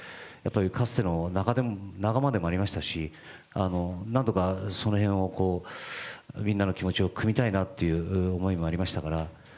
かつての仲間でもありましたし、なんとかその辺を、みんなの気持ちをくみたいなと思いもありましたし。